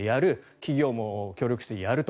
企業も協力してやると。